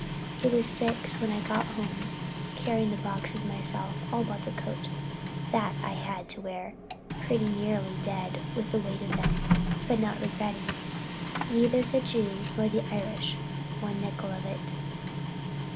It was six when I got home, carrying the boxes myself—all but the coat; that I had to wear—pretty nearly dead with the weight of them, but not regretting—neither the Jew nor the Irish—one nickel of it.